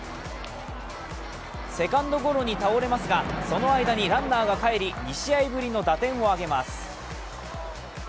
セカンドゴロに倒れますが、その間にランナーが帰り２試合ぶりの打点を挙げます。